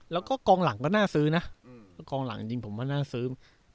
แล้วก็กองหลังก็น่าซื้อนะกองหลังจริงผมว่าน่าซื้อ